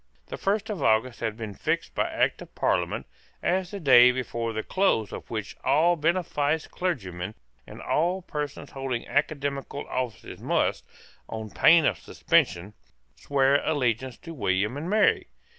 The first of August had been fixed by Act of Parliament as the day before the close of which all beneficed clergymen and all persons holding academical offices must, on pain of suspension, swear allegiance to William and Mary.